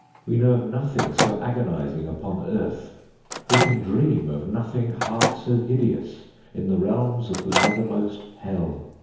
We know of nothing so agonizing upon Earth—we can dream of nothing half so hideous in the realms of the nethermost Hell.